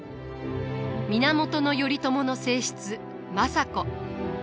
源頼朝の正室政子。